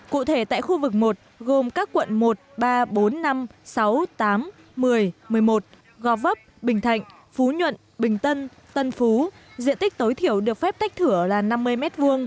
cụ thể tại khu vực một gồm các quận một ba bốn năm sáu tám một mươi một mươi một gò vấp bình thạnh phú nhuận bình tân tân phú diện tích tối thiểu được phép tách thửa là năm mươi m hai